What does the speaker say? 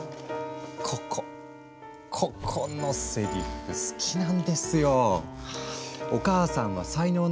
ここここのせりふ好きなんですよ。